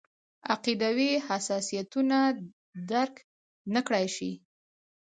عقیدوي حساسیتونه درک نکړای شي.